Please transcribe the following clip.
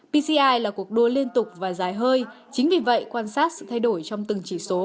pci là cuộc đua liên tục và dài hơi chính vì vậy quan sát sự thay đổi trong từng chỉ số